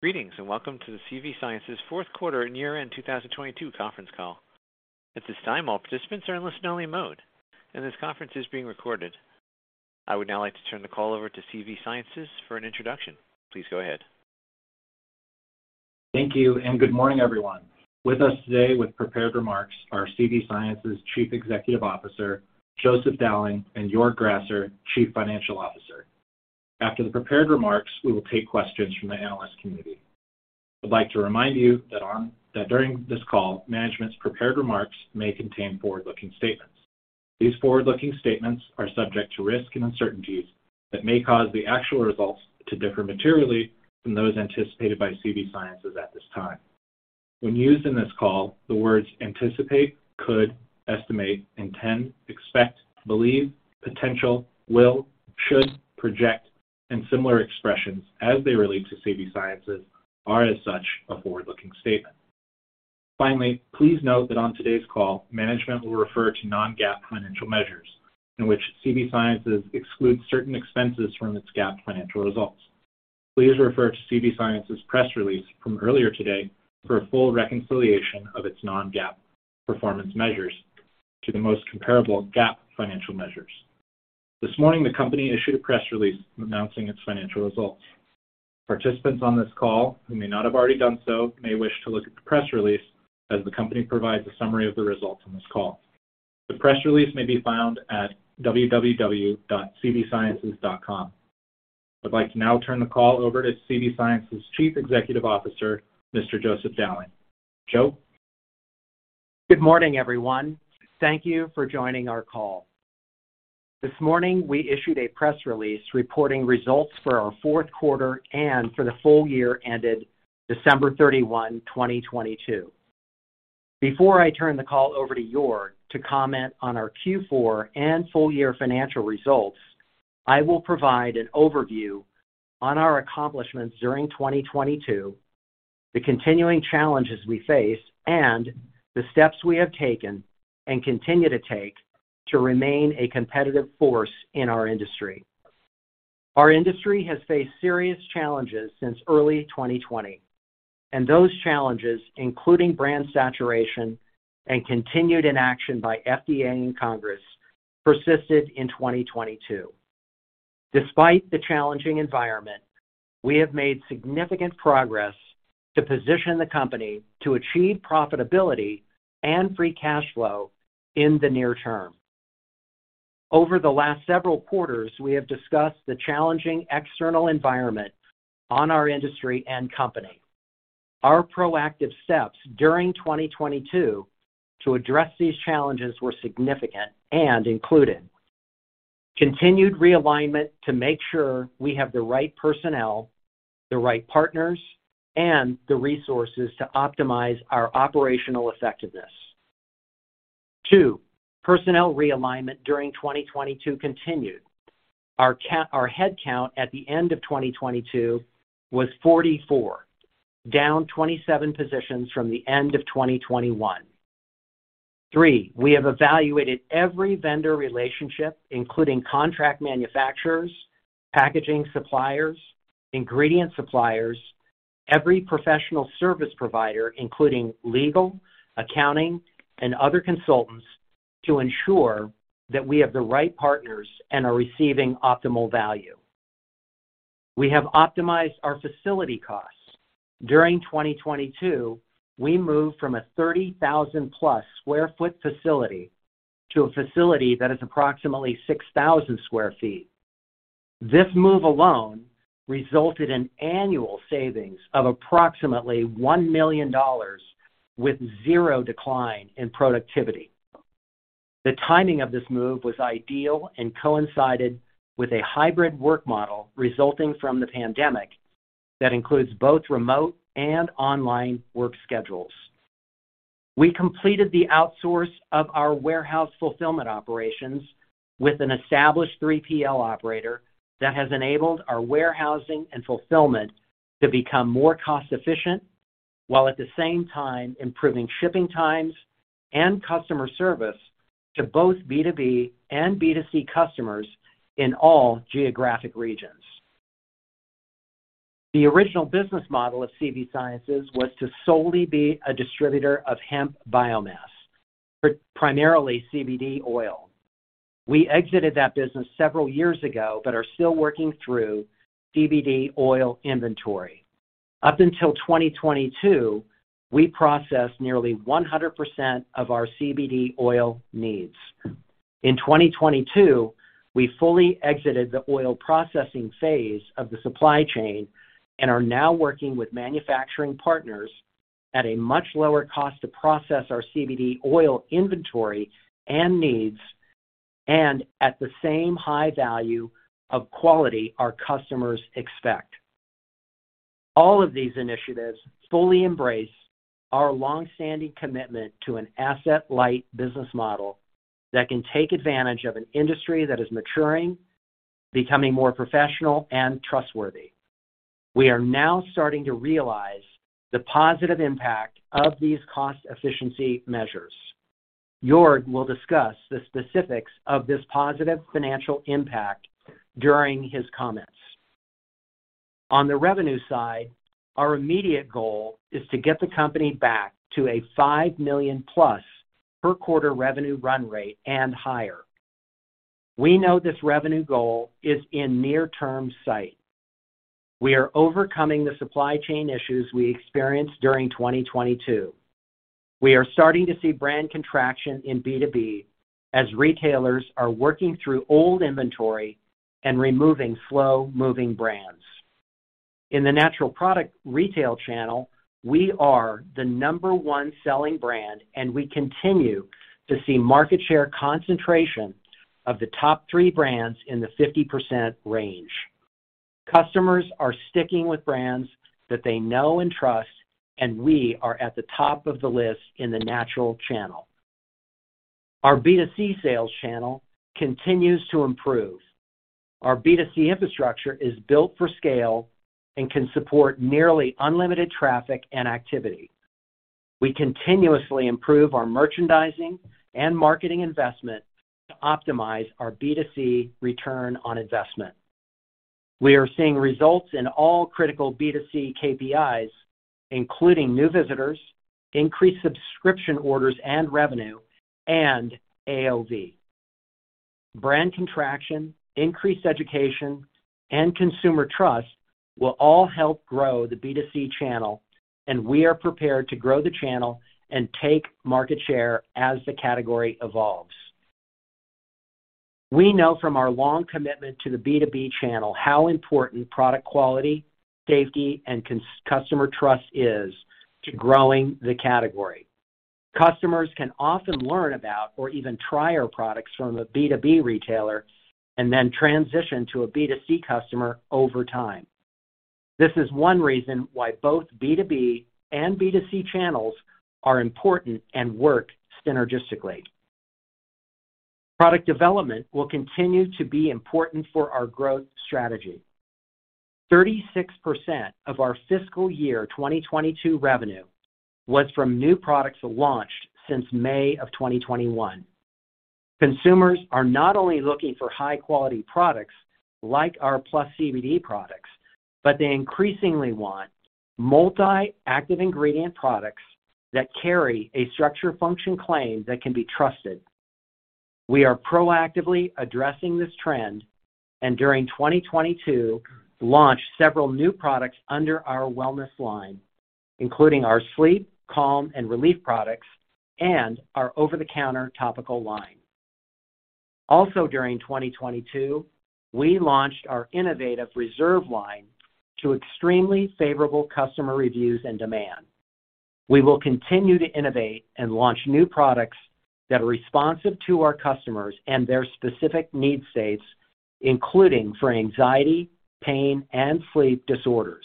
Greetings, welcome to the CV Sciences fourth quarter and year-end 2022 conference call. At this time, all participants are in listen-only mode, and this conference is being recorded. I would now like to turn the call over to CV Sciences for an introduction. Please go ahead. Thank you. Good morning, everyone. With us today with prepared remarks are CV Sciences' Chief Executive Officer, Joseph Dowling, and Joerg Grasser, Chief Financial Officer. After the prepared remarks, we will take questions from the analyst community. I'd like to remind you that during this call, management's prepared remarks may contain forward-looking statements. These forward-looking statements are subject to risks and uncertainties that may cause the actual results to differ materially from those anticipated by CV Sciences at this time. When used in this call, the words anticipate, could, estimate, intend, expect, believe, potential, will, should, project, and similar expressions as they relate to CV Sciences are, as such, a forward-looking statement. Finally, please note that on today's call, management will refer to non-GAAP financial measures in which CV Sciences excludes certain expenses from its GAAP financial results. Please refer to CV Sciences' press release from earlier today for a full reconciliation of its non-GAAP performance measures to the most comparable GAAP financial measures. This morning, the company issued a press release announcing its financial results. Participants on this call who may not have already done so may wish to look at the press release as the company provides a summary of the results on this call. The press release may be found at www.cvsciences.com. I'd like to now turn the call over to CV Sciences' Chief Executive Officer, Mr. Joseph Dowling. Joe? Good morning, everyone. Thank you for joining our call. This morning, we issued a press release reporting results for our fourth quarter and for the full year ended December 31, 2022. Before I turn the call over to Joerg to comment on our Q4 and full-year financial results, I will provide an overview on our accomplishments during 2022, the continuing challenges we face, and the steps we have taken and continue to take to remain a competitive force in our industry. Our industry has faced serious challenges since early 2020, and those challenges, including brand saturation and continued inaction by FDA and Congress, persisted in 2022. Despite the challenging environment, we have made significant progress to position the company to achieve profitability and free cash flow in the near term. Over the last several quarters, we have discussed the challenging external environment on our industry and company. Our proactive steps during 2022 to address these challenges were significant and included continued realignment to make sure we have the right personnel, the right partners, and the resources to optimize our operational effectiveness. Two, personnel realignment during 2022 continued. Our head count at the end of 2022 was 44, down 27 positions from the end of 2021. Three, we have evaluated every vendor relationship, including contract manufacturers, packaging suppliers, ingredient suppliers, every professional service provider, including legal, accounting, and other consultants, to ensure that we have the right partners and are receiving optimal value. We have optimized our facility costs. During 2022, we moved from a 30,000 plus sq ft facility to a facility that is approximately 6,000 sq ft. This move alone resulted in annual savings of approximately $1 million with zero decline in productivity. The timing of this move was ideal and coincided with a hybrid work model resulting from the pandemic that includes both remote and online work schedules. We completed the outsource of our warehouse fulfillment operations with an established 3PL operator that has enabled our warehousing and fulfillment to become more cost-efficient while at the same time improving shipping times and customer service to both B2B and B2C customers in all geographic regions. The original business model of CV Sciences was to solely be a distributor of hemp biomass, primarily CBD oil. We exited that business several years ago but are still working through CBD oil inventory. Up until 2022, we processed nearly 100% of our CBD oil needs. In 2022, we fully exited the oil processing phase of the supply chain and are now working with manufacturing partners at a much lower cost to process our CBD oil inventory and needs and at the same high value of quality our customers expect. All of these initiatives fully embrace our long-standing commitment to an asset-light business model that can take advantage of an industry that is maturing, becoming more professional and trustworthy. We are now starting to realize the positive impact of these cost efficiency measures. Joerg will discuss the specifics of this positive financial impact during his comments. On the revenue side, our immediate goal is to get the company back to a $5 million plus per quarter revenue run rate and higher. We know this revenue goal is in near-term sight. We are overcoming the supply chain issues we experienced during 2022. We are starting to see brand contraction in B2B as retailers are working through old inventory and removing slow-moving brands. In the natural product retail channel, we are the number one selling brand, and we continue to see market share concentration of the top three brands in the 50% range. Customers are sticking with brands that they know and trust, and we are at the top of the list in the natural channel. Our B2C sales channel continues to improve. Our B2C infrastructure is built for scale and can support nearly unlimited traffic and activity. We continuously improve our merchandising and marketing investment to optimize our B2C return on investment. We are seeing results in all critical B2C KPIs, including new visitors, increased subscription orders and revenue, and AOV. Brand contraction, increased education, and consumer trust will all help grow the B2C channel, and we are prepared to grow the channel and take market share as the category evolves. We know from our long commitment to the B2B channel how important product quality, safety, and customer trust is to growing the category. Customers can often learn about or even try our products from a B2B retailer and then transition to a B2C customer over time. This is one reason why both B2B and B2C channels are important and work synergistically. Product development will continue to be important for our growth strategy. 36% of our fiscal year 2022 revenue was from new products launched since May of 2021. Consumers are not only looking for high-quality products like our +PlusCBD products, but they increasingly want multi-active ingredient products that carry a structure-function claim that can be trusted. We are proactively addressing this trend and during 2022, launched several new products under our wellness line, including our sleep, calm, and relief products and our over-the-counter topical line. During 2022, we launched our innovative Reserve line to extremely favorable customer reviews and demand. We will continue to innovate and launch new products that are responsive to our customers and their specific need states, including for anxiety, pain, and sleep disorders.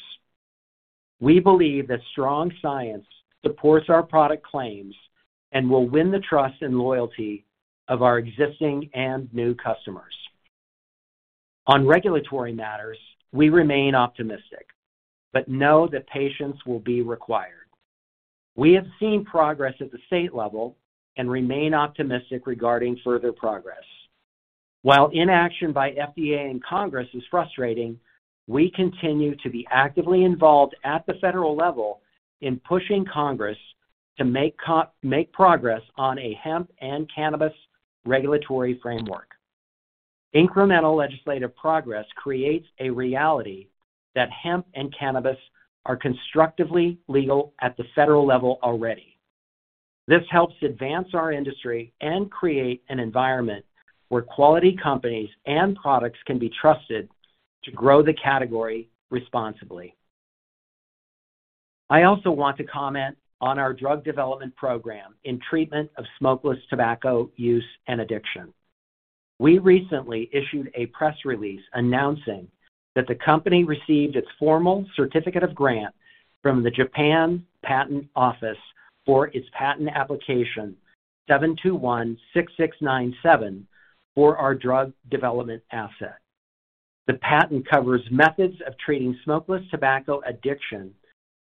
We believe that strong science supports our product claims and will win the trust and loyalty of our existing and new customers. On regulatory matters, we remain optimistic but know that patience will be required. We have seen progress at the state level and remain optimistic regarding further progress. While inaction by FDA and Congress is frustrating, we continue to be actively involved at the federal level in pushing Congress to make progress on a hemp and cannabis regulatory framework. Incremental legislative progress creates a reality that hemp and cannabis are constructively legal at the federal level already. This helps advance our industry and create an environment where quality companies and products can be trusted to grow the category responsibly. I also want to comment on our drug development program in treatment of smokeless tobacco use and addiction. We recently issued a press release announcing that the company received its formal certificate of grant from the Japan Patent Office for its patent application 7216697 for our drug development asset. The patent covers methods of treating smokeless tobacco addiction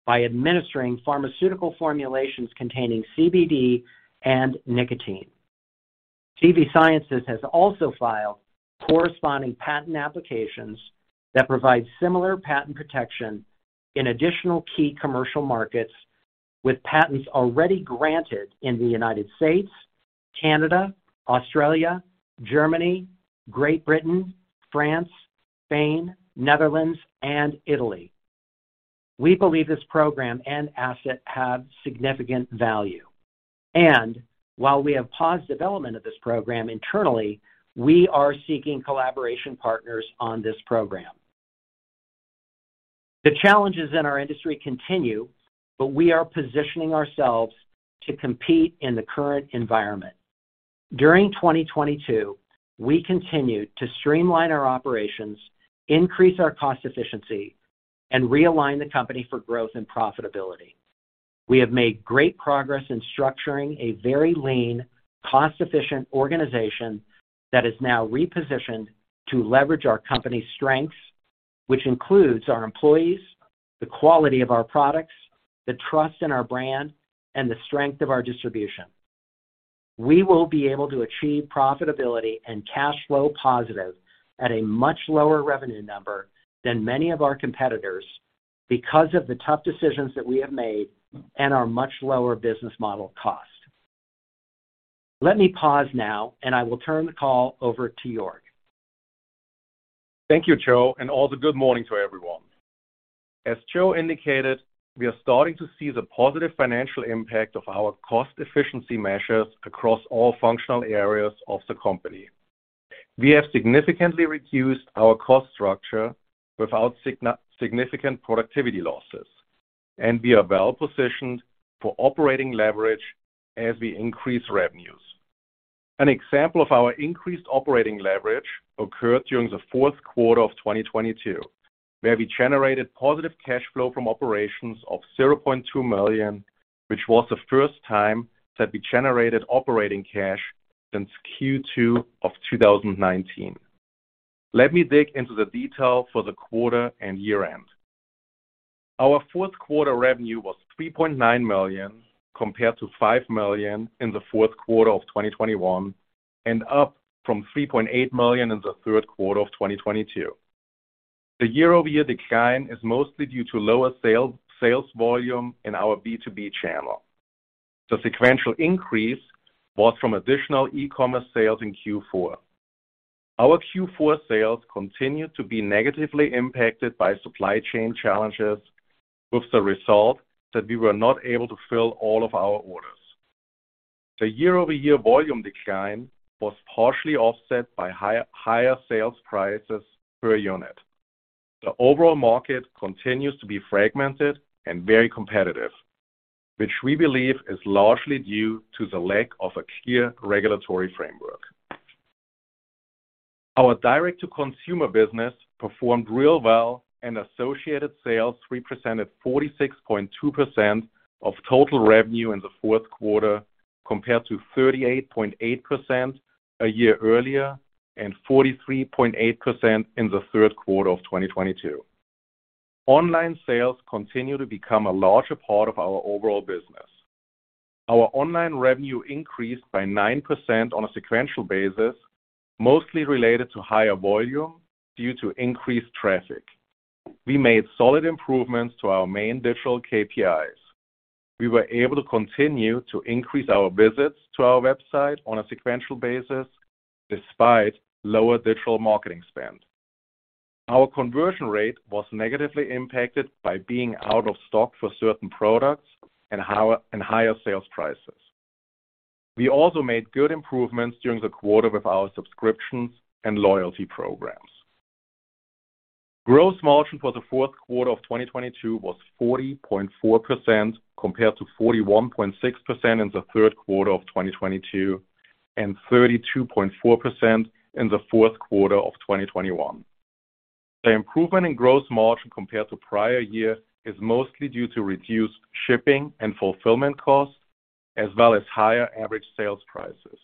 by administering pharmaceutical formulations containing CBD and nicotine. CV Sciences has also filed corresponding patent applications that provide similar patent protection in additional key commercial markets with patents already granted in the United States, Canada, Australia, Germany, Great Britain, France, Spain, Netherlands, and Italy. We believe this program and asset have significant value. While we have paused development of this program internally, we are seeking collaboration partners on this program. The challenges in our industry continue. We are positioning ourselves to compete in the current environment. During 2022, we continued to streamline our operations, increase our cost efficiency, and realign the company for growth and profitability. We have made great progress in structuring a very lean, cost-efficient organization that is now repositioned to leverage our company's strengths. Which includes our employees, the quality of our products, the trust in our brand, and the strength of our distribution. We will be able to achieve profitability and cash flow positive at a much lower revenue number than many of our competitors because of the tough decisions that we have made and our much lower business model cost. Let me pause now, and I will turn the call over to Joerg. Thank you, Joe. Good morning to everyone. As Joe indicated, we are starting to see the positive financial impact of our cost efficiency measures across all functional areas of the company. We have significantly reduced our cost structure without significant productivity losses, and we are well-positioned for operating leverage as we increase revenues. An example of our increased operating leverage occurred during the fourth quarter of 2022, where we generated positive cash flow from operations of $0.2 million, which was the first time that we generated operating cash since Q2 of 2019. Let me dig into the detail for the quarter and year-end. Our fourth quarter revenue was $3.9 million, compared to $5 million in the fourth quarter of 2021, and up from $3.8 million in the third quarter of 2022. The year-over-year decline is mostly due to lower sales volume in our B2B channel. The sequential increase was from additional e-commerce sales in Q4. Our Q4 sales continued to be negatively impacted by supply chain challenges, with the result that we were not able to fill all of our orders. The year-over-year volume decline was partially offset by higher sales prices per unit. The overall market continues to be fragmented and very competitive, which we believe is largely due to the lack of a clear regulatory framework. Our direct-to-consumer business performed really well and associated sales represented 46.2% of total revenue in the fourth quarter, compared to 38.8% a year earlier and 43.8% in the third quarter of 2022. Online sales continue to become a larger part of our overall business. Our online revenue increased by 9% on a sequential basis, mostly related to higher volume due to increased traffic. We made solid improvements to our main digital KPIs. We were able to continue to increase our visits to our website on a sequential basis despite lower digital marketing spend. Our conversion rate was negatively impacted by being out of stock for certain products and higher sales prices. We also made good improvements during the quarter with our subscriptions and loyalty programs. Gross margin for the fourth quarter of 2022 was 40.4%, compared to 41.6% in the third quarter of 2022, and 32.4% in the fourth quarter of 2021. The improvement in gross margin compared to prior year is mostly due to reduced shipping and fulfillment costs, as well as higher average sales prices,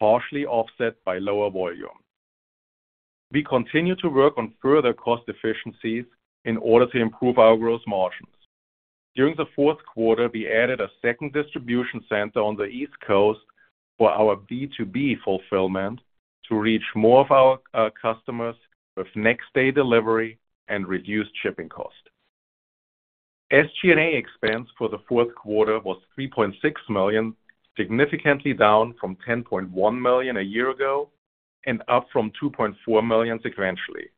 partially offset by lower volume. We continue to work on further cost efficiencies in order to improve our gross margins. During the fourth quarter, we added a second distribution center on the East Coast for our B2B fulfillment to reach more of our customers with next-day delivery and reduced shipping costs. SG&A expense for the fourth quarter was $3.6 million, significantly down from $10.1 million a year ago and up from $2.4 million sequentially.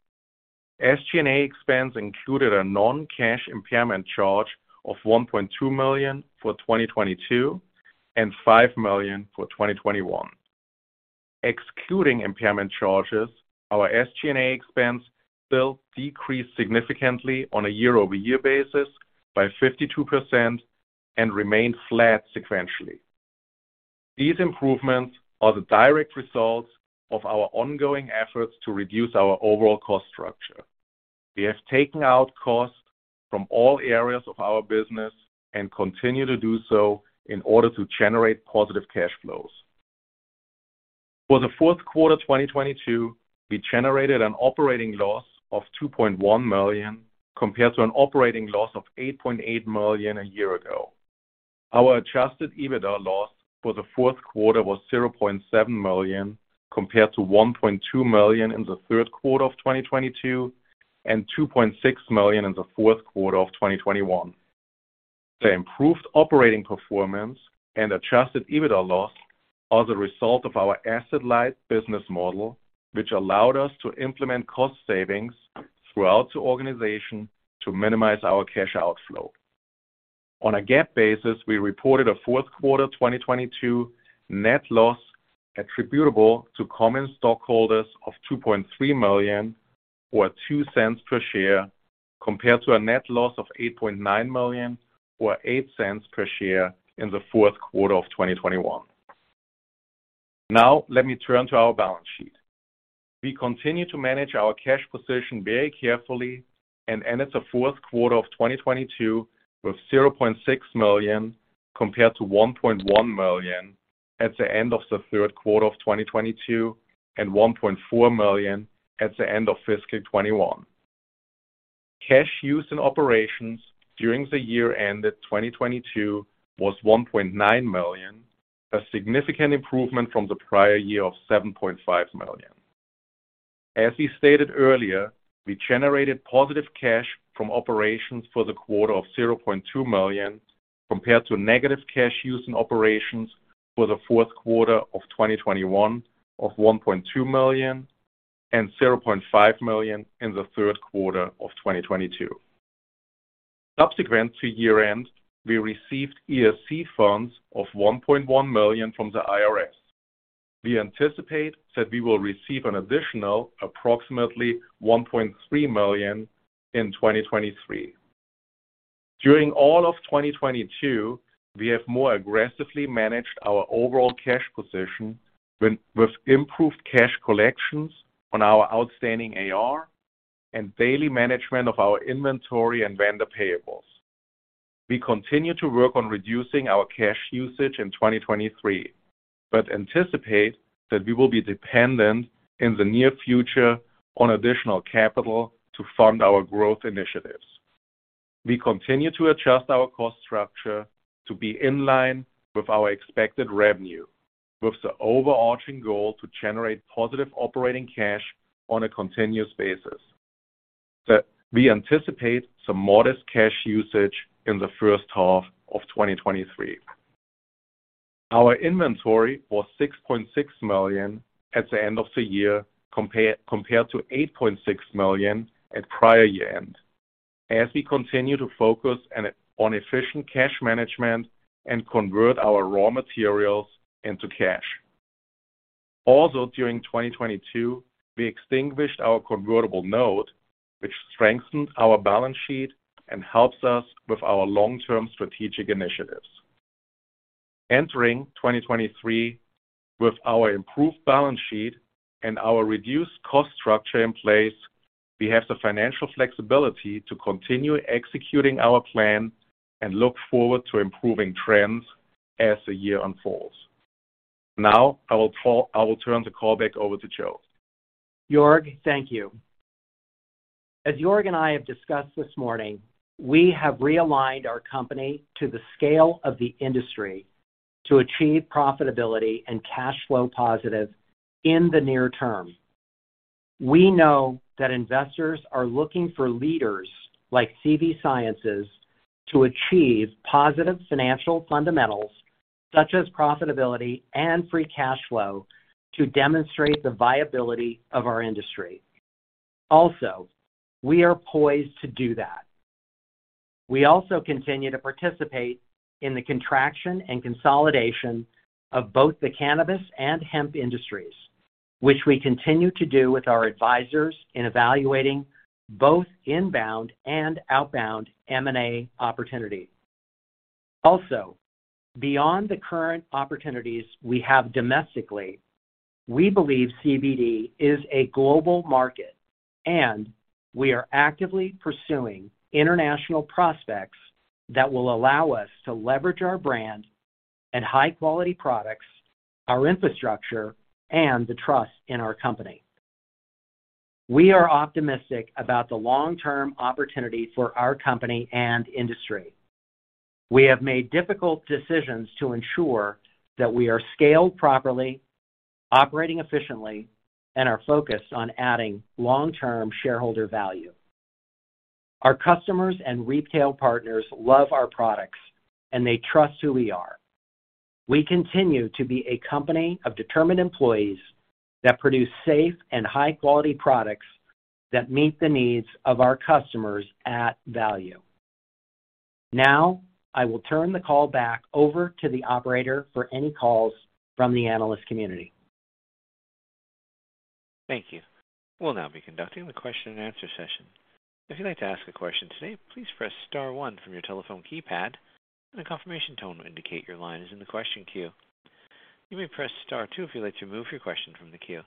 SG&A expense included a non-cash impairment charge of $1.2 million for 2022 and $5 million for 2021. Excluding impairment charges, our SG&A expense still decreased significantly on a year-over-year basis by 52% and remained flat sequentially. These improvements are the direct results of our ongoing efforts to reduce our overall cost structure. We have taken out costs from all areas of our business and continue to do so in order to generate positive cash flows. For the fourth quarter of 2022, we generated an operating loss of $2.1 million, compared to an operating loss of $8.8 million a year ago. Our adjusted EBITDA loss for the fourth quarter was $0.7 million, compared to $1.2 million in the third quarter of 2022 and $2.6 million in the fourth quarter of 2021. The improved operating performance and adjusted EBITDA loss are the result of our asset-light business model, which allowed us to implement cost savings throughout the organization to minimize our cash outflow. On a GAAP basis, we reported a fourth quarter 2022 net loss attributable to common stockholders of $2.3 million, or $0.02 per share, compared to a net loss of $8.9 million, or $0.08 per share in the fourth quarter of 2021. Let me turn to our balance sheet. We continue to manage our cash position very carefully and ended the fourth quarter of 2022 with $0.6 million, compared to $1.1 million at the end of the third quarter of 2022 and $1.4 million at the end of fiscal 2021. Cash use in operations during the year ended 2022 was $1.9 million, a significant improvement from the prior year of $7.5 million. As we stated earlier, we generated positive cash from operations for the quarter of $0.2 million compared to negative cash use in operations for the fourth quarter of 2021 of $1.2 million and $0.5 million in the third quarter of 2022. Subsequent to year-end, we received ERC funds of $1.1 million from the IRS. We anticipate that we will receive an additional approximately $1.3 million in 2023. During all of 2022, we have more aggressively managed our overall cash position with improved cash collections on our outstanding AR and daily management of our inventory and vendor payables. We continue to work on reducing our cash usage in 2023, but anticipate that we will be dependent in the near future on additional capital to fund our growth initiatives. We continue to adjust our cost structure to be in line with our expected revenue, with the overarching goal to generate positive operating cash on a continuous basis. We anticipate some modest cash usage in the first half of 2023. Our inventory was $6.6 million at the end of the year compared to $8.6 million at prior year-end as we continue to focus on efficient cash management and convert our raw materials into cash. Also, during 2022, we extinguished our convertible note, which strengthens our balance sheet and helps us with our long-term strategic initiatives. Entering 2023 with our improved balance sheet and our reduced cost structure in place, we have the financial flexibility to continue executing our plan and look forward to improving trends as the year unfolds. Now I will turn the call back over to Joe. Joerg, thank you. As Joerg and I have discussed this morning, we have realigned our company to the scale of the industry to achieve profitability and cash flow positive in the near term. We know that investors are looking for leaders like CV Sciences to achieve positive financial fundamentals such as profitability and free cash flow to demonstrate the viability of our industry. We are poised to do that. We also continue to participate in the contraction and consolidation of both the cannabis and hemp industries, which we continue to do with our advisors in evaluating both inbound and outbound M&A opportunities. Beyond the current opportunities we have domestically, we believe CBD is a global market, and we are actively pursuing international prospects that will allow us to leverage our brand and high-quality products, our infrastructure, and the trust in our company. We are optimistic about the long-term opportunity for our company and industry. We have made difficult decisions to ensure that we are scaled properly, operating efficiently, and are focused on adding long-term shareholder value. Our customers and retail partners love our products, and they trust who we are. We continue to be a company of determined employees that produce safe and high-quality products that meet the needs of our customers at value. I will turn the call back over to the operator for any calls from the analyst community. Thank you. We'll now be conducting the question-and-answer session. If you'd like to ask a question today, please press star one from your telephone keypad and a confirmation tone will indicate your line is in the question queue. You may press star two if you'd like to remove your question from the queue.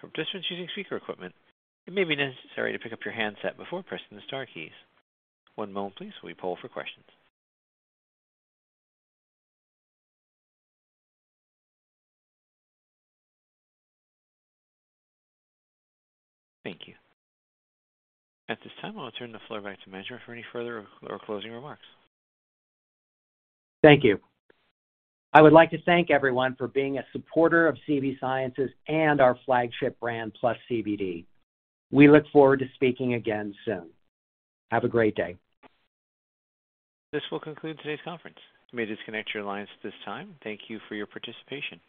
For participants using speaker equipment, it may be necessary to pick up your handset before pressing the star keys. One moment please while we poll for questions. Thank you. At this time, I'll turn the floor back to management for any further or closing remarks. Thank you. I would like to thank everyone for being a supporter of CV Sciences and our flagship brand, +PlusCBD. We look forward to speaking again soon. Have a great day. This will conclude today's conference. You may disconnect your lines at this time. Thank you for your participation.